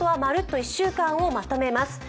１週間」をまとめます。